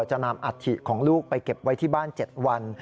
จะนำอัฐิของลูกไปเก็บไว้ที่บ้าน๗วัน